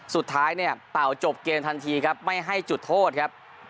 สุดท้ายเนี่ยเป่าจบเกมทันทีครับไม่ให้จุดโทษครับ